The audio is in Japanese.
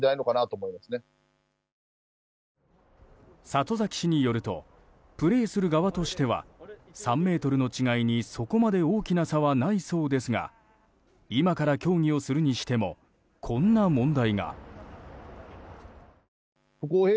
里崎氏によるとプレーする側としては３ｍの違いに、そこまで大きな差はないそうですが今から協議をするにしてもこんな問題が。